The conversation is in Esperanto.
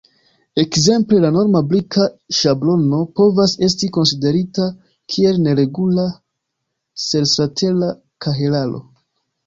Ekzemple, la norma brika ŝablono povas esti konsiderata kiel neregula seslatera kahelaro.